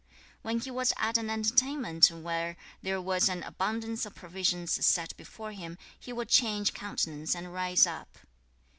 4. When he was at an entertainment where there was an abundance of provisions set before him, he would change countenance and rise up.